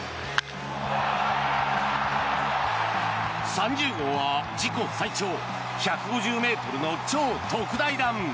３０号は自己最長１５０ｍの超特大弾。